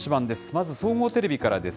まず総合テレビからです。